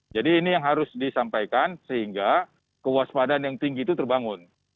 jadi ini yang harus disampaikan sehingga kewaspadaan yang tinggi itu terbangun